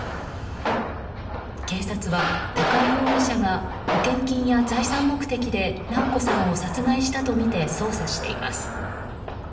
警察は、高井容疑者が保険金や財産目的で直子さんを殺害したとみて捜査しています。